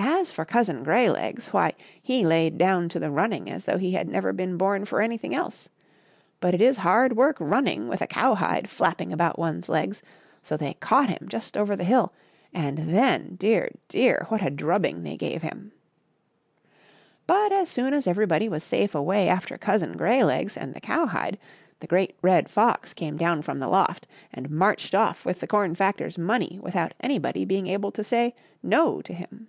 As for Cousin Greylegs, why, he laid down to the running as though he had never been bom for anything else. But it is hard work running with a cowhide flapping about one's legs, so they caught him just over the hill, and then, dear, dear, what a drubbing they gave him. But as soon as everybody was safe away after Cousin Greylegs and the cowhide, the Great Red Fox came down from the loft, and marched off with the corn factor's money without anybody being about to say " No " to him.